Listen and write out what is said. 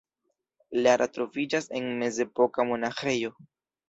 Lara troviĝas en mezepoka monaĥejo.